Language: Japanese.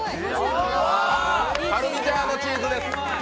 パルミジャーノチーズです